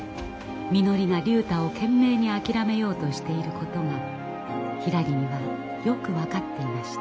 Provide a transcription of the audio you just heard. みのりが竜太を懸命に諦めようとしていることがひらりにはよく分かっていました。